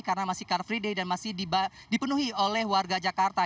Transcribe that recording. karena masih car free day dan masih dipenuhi oleh warga jakarta